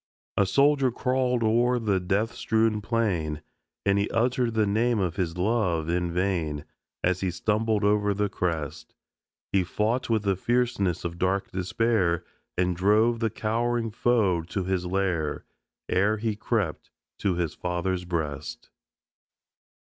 A soldier crawled o'er the death strewn plain, And he uttered the name of his love, in vain, As he stumbled over the crest; He fought with the fierceness of dark despair And drove the cowering foe to his lair Ere he crept to his Father's breast.